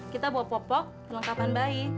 kita bawa popok perlengkapan bayi